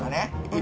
今。